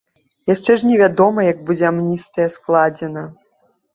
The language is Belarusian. Яшчэ ж не вядома, як будзе амністыя складзена.